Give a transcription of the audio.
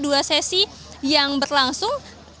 dua sesi yang berlangsung